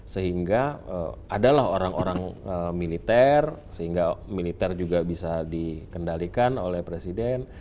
sehingga adalah orang orang militer sehingga militer juga bisa dikendalikan oleh presiden